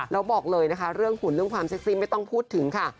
แล้วบอกเลยนะคะเรื่องหุ่นเรื่องความเซ็กซี่ไม่ต้องพูดถึงค่ะ